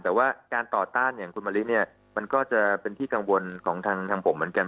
แต่ว่าการต่อต้านอย่างคุณมะลิเนี่ยมันก็จะเป็นที่กังวลของทางผมเหมือนกัน